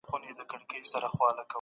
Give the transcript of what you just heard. آیا ښوونځي په ټولنیز بدلون کې رول لري؟